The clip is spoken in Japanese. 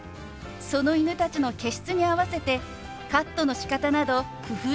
その犬たちの毛質に合わせてカットのしかたなど工夫しています。